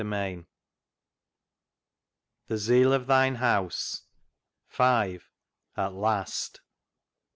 847 " The Zeal of Thine House " V At Last!